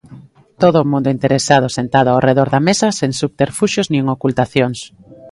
Todo o mundo interesado sentado ao redor da mesa, sen subterfuxios nin ocultacións.